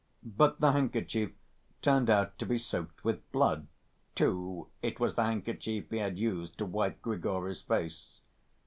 But the handkerchief turned out to be soaked with blood, too (it was the handkerchief he had used to wipe Grigory's face).